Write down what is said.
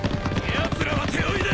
やつらは手負いだ！